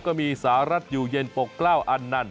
ก็มีสหรัฐอยู่เย็นปกกล้าวอันนัน